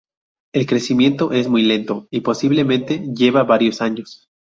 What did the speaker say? El crecimiento es muy lento y posiblemente lleva varios años.